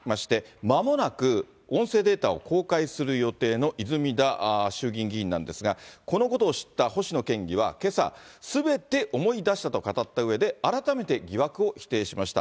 完全否定の星野県議に対しまして、まもなく、音声データを公開する予定の泉田衆議院議員なんですが、このことを知った星野県議はけさ、すべて思い出したと語ったうえで、改めて疑惑を否定しました。